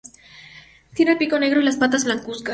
Tiene el pico negro y las patas blancuzcas.